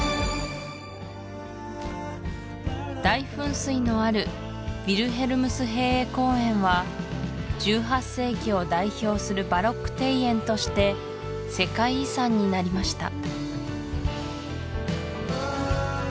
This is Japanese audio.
大噴水のあるヴィルヘルムスヘーエ公園は１８世紀を代表するバロック庭園として世界遺産になりました